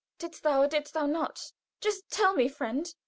"Didst thou, or didst thou not? Just tell me, friend!